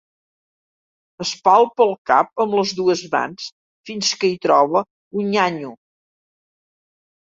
Es palpa el cap amb les dues mans fins que hi troba un nyanyo.